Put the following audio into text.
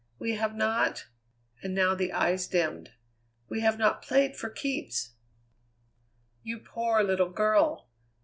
We have not" and now the eyes dimmed "we have not played for keeps!" "You poor, little girl!